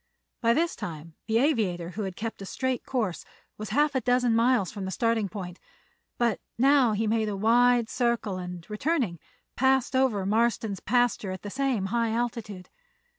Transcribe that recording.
By this time the aviator, who had kept a straight course, was half a dozen miles from the starting point; but now he made a wide circle and, returning, passed over Marston's pasture at the same high altitude.